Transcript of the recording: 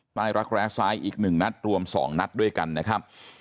รักแร้ซ้ายอีก๑นัดรวม๒นัดด้วยกันนะครับ